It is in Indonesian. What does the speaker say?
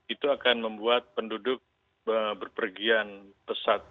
itu akan membuat penduduk berpergian pesat